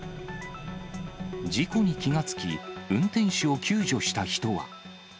事故に気が付き、運転手を救助した人は。